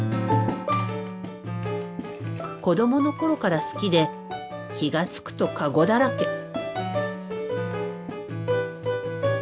子どもの頃から好きで気が付くとかごだらけ。